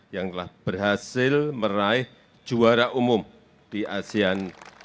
yang telah berhasil meraih juara umum di asean